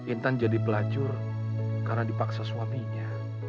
intan jadi pelacur karena dipaksa suaminya